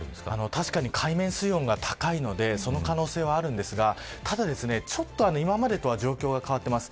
確かに、海面水温が高いのでその可能性は、ありますがちょっと今までと状況が変わっています。